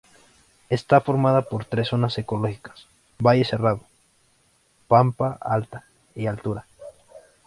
Está formada por tres zonas ecológicas: valle cerrado, pampa alta y altura.